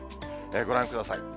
ご覧ください。